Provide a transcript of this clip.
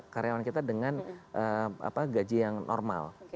karyawan kita dengan gaji yang normal